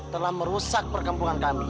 telah merusak perkampungan kami